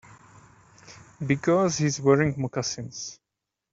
Because he's wearing moccasins.